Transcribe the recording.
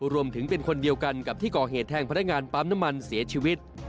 เป็นคนเดียวกันกับที่ก่อเหตุแทงพนักงานปั๊มน้ำมันเสียชีวิต